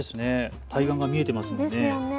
対岸が見えてますね。